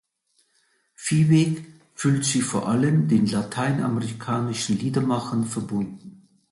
Viehweg fühlt sich vor allem den lateinamerikanischen Liedermachern verbunden.